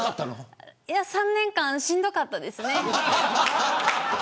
３年間しんどかったですね。